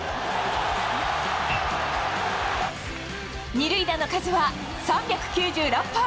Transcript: ２塁打の数は３９６本。